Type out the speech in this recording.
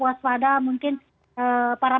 waspada mungkin para